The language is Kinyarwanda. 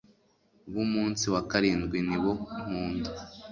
bumunsi wakarindwi nibo nkunda